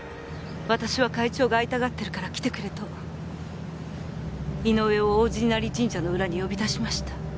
私は会長が会いたがってるから来てくれと井上を王子稲荷神社の裏に呼び出しました。